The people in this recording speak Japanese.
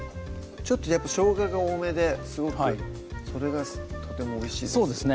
ちょっとやっぱしょうがが多めですごくそれがとてもおいしいですね